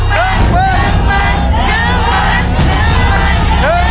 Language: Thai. ปล่อยเร็วเร็ว